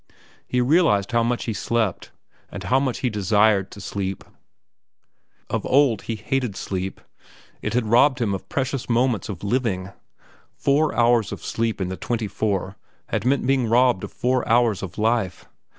He realized how much he slept, and how much he desired to sleep. Of old, he had hated sleep. It had robbed him of precious moments of living. Four hours of sleep in the twenty four had meant being robbed of four hours of life.